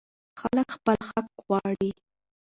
خلک خپل حق غواړي.